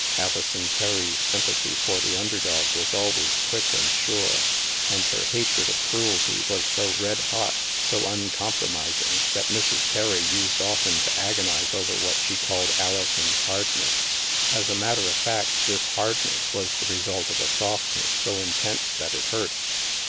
Alison Terry's sympathy for the under dog was always quick and sure. And her hatred of cruelty was so red hot, so uncompromising, that Mrs. Terry used often to agonize over what she called " Alison's hardness.'* As a matter of fact, this " hardness " was the result of a softness so intense that it hurt.